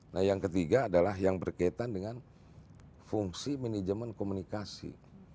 nah yang ketiga adalah yang berkaitan dengan fungsi manajemen komunikasi